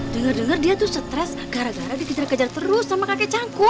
dengar dengar dia tuh stres gara gara dikejar kejar terus sama kakek cangku